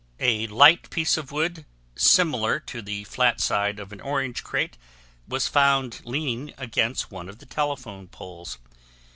A light piece of wood similar to the flat side of an orange crate, was found leaning against one of the telephone poles.